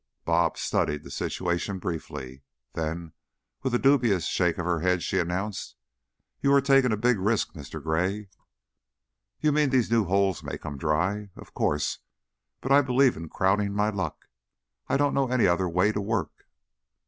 "Bob" studied the situation briefly, then, with a dubious shake of her head, she announced: "You are taking a big risk, Mr. Gray." "You mean these new holes may come dry? Of course, but I believe in crowding my luck. I don't know any other way to work."